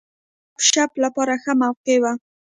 د ګپ شپ لپاره ښه موقع وه.